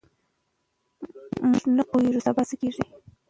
موږ نه پوهېږو سبا څه کیږي.